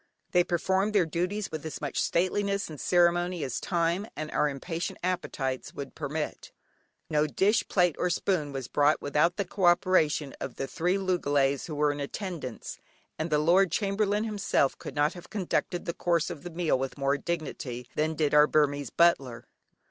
They performed their duties with as much stateliness and ceremony as time, and our impatient appetites would permit. No dish, plate, or spoon was brought without the co operation of the three loogalays who were in attendance, and the lord chamberlain himself could not have conducted the course of the meal with more dignity than did our Burmese butler.